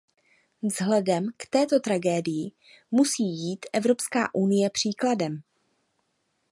Vzhledem k této tragédii musí jít Evropská unie příkladem.